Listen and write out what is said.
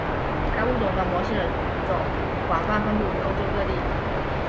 该物种的模式种广泛分布于欧洲各地。